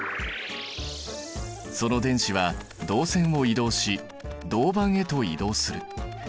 その電子は導線を移動し銅板へと移動する。